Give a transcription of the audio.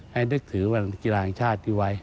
ให้นึกถือวันกีฬาอังชาติที่ไว้